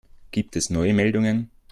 Gibt es neue Meldungen?